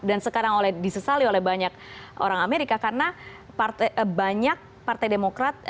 dan sekarang disesali oleh banyak orang amerika karena banyak partai demokrat